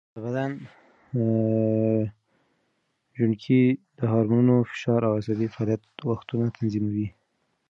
د بدن ژوڼکې د هارمونونو، فشار او عصبي فعالیت وختونه تنظیموي.